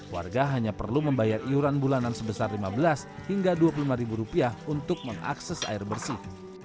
warga hanya perlu membayar iuran bulanan sebesar lima belas hingga dua puluh lima ribu rupiah untuk mengakses air bersih